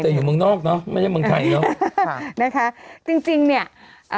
แต่อยู่เมืองนอกเนอะไม่ใช่เมืองไทยเนอะนะคะจริงจริงเนี้ยอ่า